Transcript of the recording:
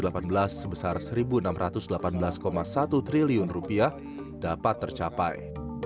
pembelian pajak di tahun dua ribu delapan belas sebesar rp satu enam ratus delapan belas satu triliun dapat tercapai